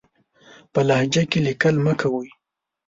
په لهجه کې ليکل مه کوئ!